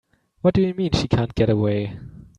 What do you mean she can't get away?